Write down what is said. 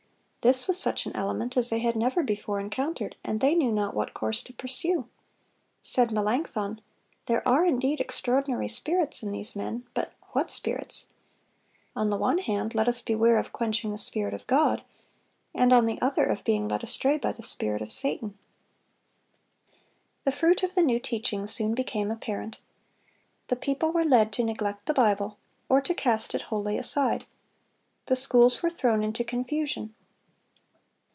This was such an element as they had never before encountered, and they knew not what course to pursue. Said Melanchthon: "There are indeed extraordinary spirits in these men; but what spirits?... On the one hand, let us beware of quenching the Spirit of God, and on the other, of being led astray by the spirit of Satan."(266) The fruit of the new teaching soon became apparent. The people were led to neglect the Bible, or to cast it wholly aside. The schools were thrown into confusion.